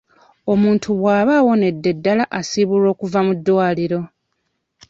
Omuntu bw'aba awonedde ddala asiibulwa okuva mu ddwaliro.